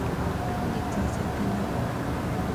本日は晴天なり